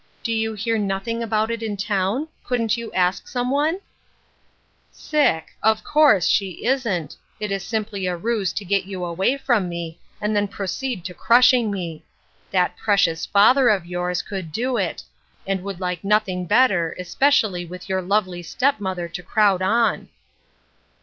" Do you hear nothing about it in town ? Couldn't you ask some one ?" "Sick! Of course — she isn't; it is simply a ruse to get you away from me, and then proceed to crushing me ! That precious father of yours could do it, and would like nothing better, es pecially with your lovely step mother to crowd on."